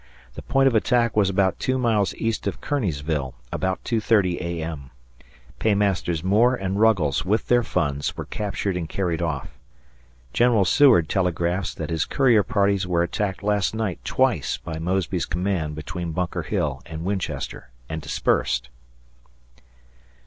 The point of attack was about two miles east of Kearneysville, about 2.30 A.M. Paymasters Moore and Ruggles with their funds were captured and carried off. ... General Seward telegraphs that his courier parties were attacked last night twice by Mosby's command between Bunker Hill and Winchester and dispersed.